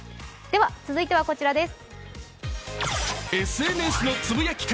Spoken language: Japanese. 続いてはこちらです。